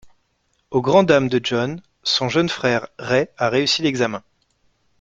Au grand dam de John, son jeune frère, Ray, a réussi l'examen.